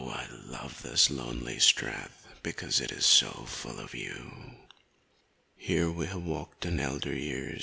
I love this lonely strath Because it is so full of you. Here we have walked in elder years.